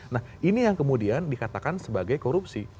nah ini yang kemudian dikatakan sebagai korupsi